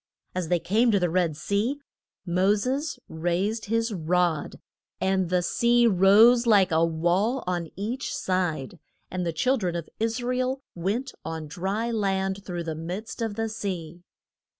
] As they came to the Red Sea, Mo ses raised his rod and the sea rose like a wall on each side, and the chil dren of Is ra el went on dry land through the midst of the sea.